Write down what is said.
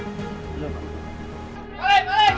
pak al pak al